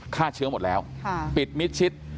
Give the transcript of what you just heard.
ฆ่าเชื้อหมดแล้วปิดมิดชิด